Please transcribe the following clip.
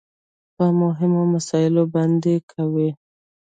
په مهمو مسايلو باندې کوي .